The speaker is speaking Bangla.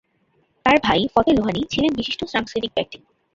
তার ভাই ফতেহ লোহানী ছিলেন বিশিষ্ট সাংস্কৃতিক ব্যক্তিত্ব।